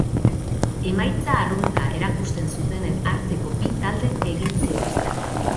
Emaitza arrunta erakusten zutenen arteko bi talde egin zituzten.